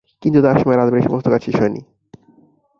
কিন্তু তাঁর সময়ে রাজবাড়ির সমস্ত কাজ শেষ হয়নি।